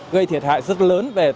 gây thiệt hại rất lớn về tài năng